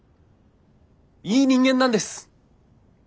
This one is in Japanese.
いい人間なんです。